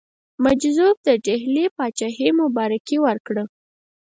مجذوب د ډهلي پاچهي مبارکي ورکړه.